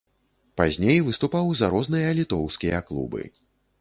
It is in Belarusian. Пазней выступаў за розныя літоўскія клубы.